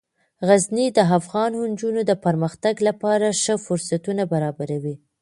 غزني د افغان نجونو د پرمختګ لپاره ښه فرصتونه برابروي.